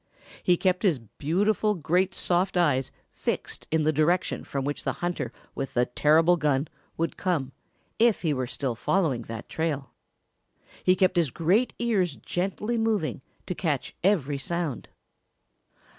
He kept his beautiful, great, soft eyes fixed in the direction from which the hunter with the terrible gun would come if he were still following that trail. He kept his great ears gently moving to catch every little sound.